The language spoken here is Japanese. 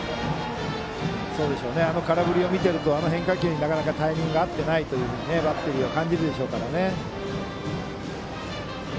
あの空振りを見ていると変化球になかなかタイミングが合っていないとバッテリーは感じるでしょうから。